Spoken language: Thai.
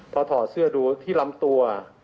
พอถอดเสื้อดูที่ลำตัว